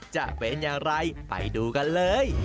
จะเป็นอย่างไรไปดูกันเลย